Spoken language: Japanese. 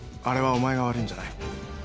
あれはお前が悪いんじゃない。